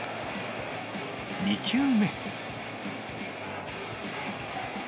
２球目。